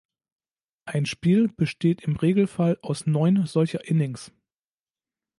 Ein Spiel besteht im Regelfall aus neun solcher Innings.